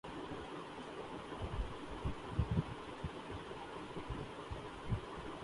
حق پرست رکن سندھ اسمبلی سمیتا افضال کی علالت پر جناب کا اظہار تشویش